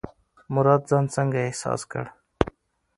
مراد ځان څنګه احساس کړ؟